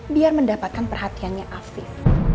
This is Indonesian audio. biar mendapatkan perhatiannya afif